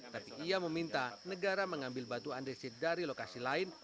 tapi ia meminta negara mengambil batu andesit dari lokasi lain